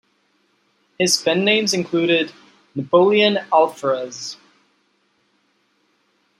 His pennames included "Napoleon Alferez".